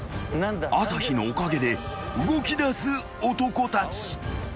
［朝日のおかげで動きだす男たち］